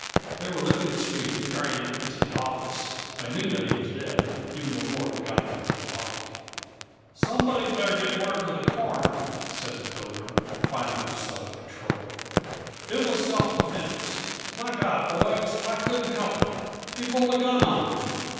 They were lifting the Swede to carry him into the office; they knew that he was dead, even before they got him into the light. "Somebody better get word to the coroner," said the Pilgrim, fighting for self control. "It was self defense. My God, boys, I couldn't help it! He pulled a gun on me.